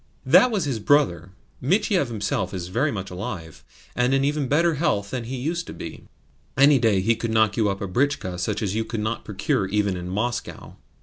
That was his brother. Michiev himself is very much alive, and in even better health than he used to be. Any day he could knock you up a britchka such as you could not procure even in Moscow.